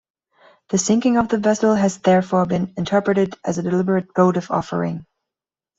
The sinking of the vessel has therefore been interpreted as a deliberate votive offering.